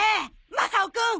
マサオくん！